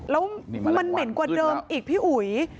แล้วมันเหม็นกว่าเดิมอีกพี่อุ๋ย